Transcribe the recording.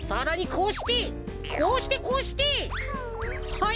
はい。